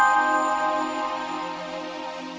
tante mau ke mana